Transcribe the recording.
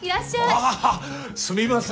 ああすみません。